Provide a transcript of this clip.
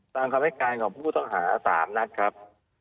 คำให้การของผู้ต้องหา๓นัดครับ